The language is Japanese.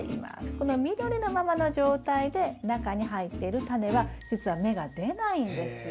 この緑のままの状態で中に入っているタネはじつは芽が出ないんですよ。